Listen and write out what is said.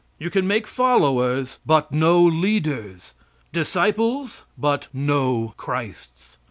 You can make followers but no leaders; disciples, but no Christs.